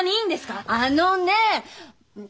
あのねえ！